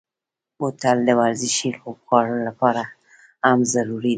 بوتل د ورزشي لوبغاړو لپاره هم ضروري دی.